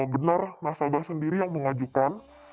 benar nasabah sendiri yang mengajukan